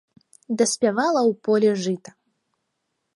Даспявала ў полі жыта.